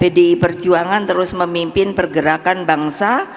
pdi perjuangan terus memimpin pergerakan bangsa